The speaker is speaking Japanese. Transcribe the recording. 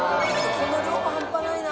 この量も半端ないな。